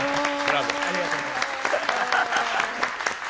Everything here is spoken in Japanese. ありがとうございます。